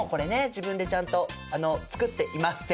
自分でちゃんと作っていません。